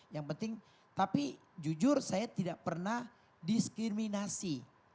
yang penting tapi jujur saya tidak pernah diskriminasi